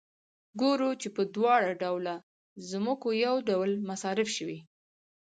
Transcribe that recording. ګورو چې په دواړه ډوله ځمکو یو ډول مصارف شوي